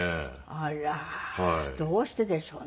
あらどうしてでしょうね？